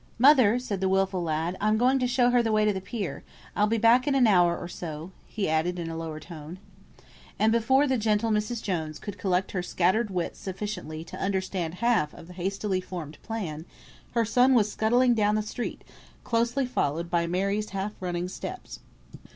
"Mother!" said the wilful lad, "I'm going to show her the way to the pier; I'll be back in an hour, or so, " he added in a lower tone. And before the gentle Mrs. Jones could collect her scattered wits sufficiently to understand half of the hastily formed plan, her son was scudding down the street, closely followed by Mary's half running steps.